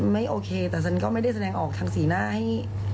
ไม่โอเคแต่ฉันก็ไม่ได้แสดงออกทางสีหน้าให้